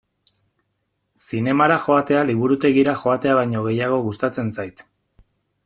Zinemara joatea liburutegira joatea baino gehiago gustatzen zait.